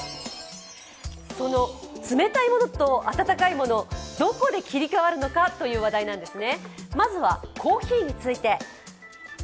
冷たいものと、温かいもの、どこで切り替わるのかという話題なんですね。